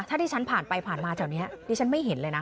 ถ้าที่ฉันผ่านไปผ่านมาแถวนี้ดิฉันไม่เห็นเลยนะ